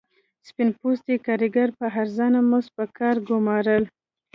سپین پوستو کارګر په ارزانه مزد پر کار ګومارل.